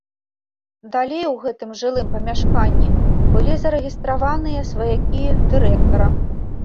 Далей у гэтым жылым памяшканні былі зарэгістраваныя сваякі дырэктара.